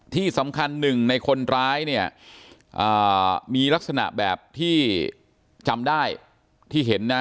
ที่สำคัญหนึ่งในคนร้ายเนี่ยมีลักษณะแบบที่จำได้ที่เห็นนะ